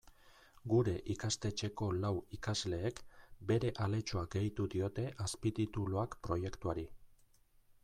Gure ikastetxeko lau ikasleek bere aletxoa gehitu diote azpitituluak proiektuari.